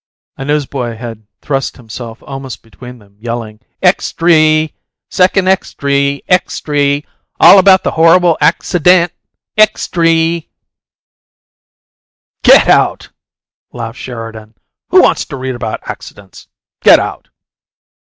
A newsboy had thrust himself almost between them, yelling, "Extry! Secon' Extry. Extry, all about the horrable acciDENT. Extry!" "Get out!" laughed Sheridan. "Who wants to read about accidents? Get out!"